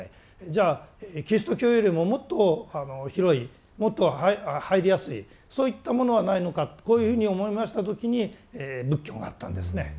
じゃあキリスト教よりももっと広いもっと入りやすいそういったものはないのかとこういうふうに思いました時に仏教があったんですね。